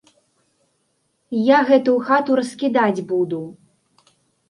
Я гэтую хату раскідаць буду.